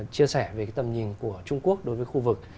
chia sẻ về tầm nhìn của trung quốc đối với khu vực